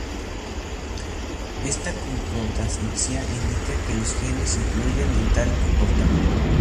Esta concordancia indica que los genes influyen en tal comportamiento.